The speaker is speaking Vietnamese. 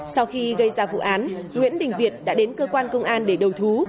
sau khi gây ra vụ án nguyễn đình việt đã đến cơ quan công an để đầu thú